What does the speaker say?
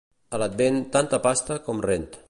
A l'Advent, tanta pasta com rent.